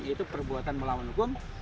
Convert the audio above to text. yaitu perbuatan melawan hukum